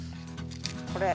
これ。